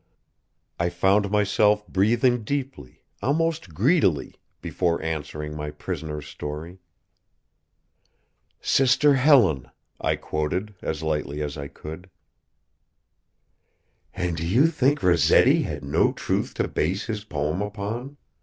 I found myself breathing deeply, almost greedily, before answering my prisoner's story. "'Sister Helen,'" I quoted, as lightly as I could. "And do you think Rossetti had no truth to base his poem upon?"